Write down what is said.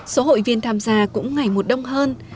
số hội viên tham gia cũng ngày một đông hơn